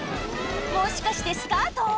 もしかしてスカート？